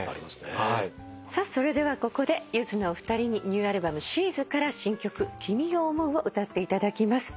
それではここでゆずのお二人にニューアルバム『ＳＥＥＳ』から新曲『君を想う』を歌っていただきます。